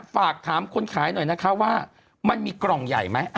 ฝากถามคนขายหน่อยนะคะว่ามันมีกล่องใหญ่ไหม